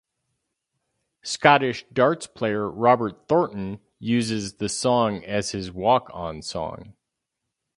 Scottish darts player Robert Thornton uses the song as his walk-on song.